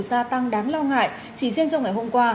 gia tăng đáng lo ngại chỉ riêng trong ngày hôm qua